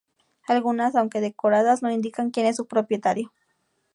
Algunas, aunque decoradas, no indican quien es su propietario.